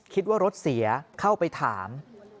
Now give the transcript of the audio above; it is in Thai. คิดว่ารถเสียเข้าไปถาม